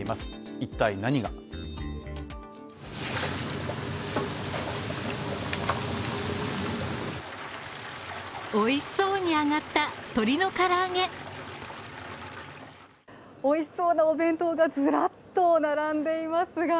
一体何がおいしそうにあがった鶏のから揚げ美味しそうなお弁当がずらっと並んでいます